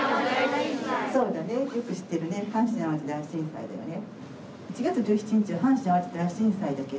そうだねよく知ってるね阪神・淡路大震災だよね。